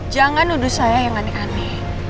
jangan nuduh saya yang aneh aneh